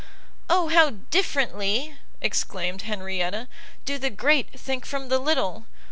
"Oh how differently," exclaimed Henrietta, "do the great think from the little!